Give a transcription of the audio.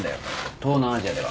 東南アジアでは。